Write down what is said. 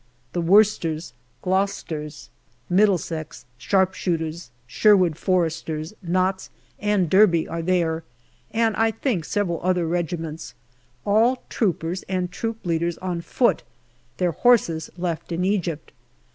The Worcesters, Gloucesters, Middlesex, Sharp shooters, Sherwood Foresters, Notts and Derby are there, and I think several other regi ments, all troopers and troop leaders on foot, their horses left in Egypt.